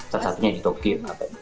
satu satunya di tokyo